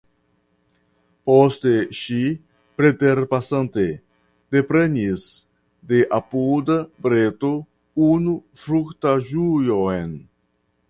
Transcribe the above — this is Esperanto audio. Poste ŝi, preterpasante, deprenis de apuda breto unu fruktaĵujon.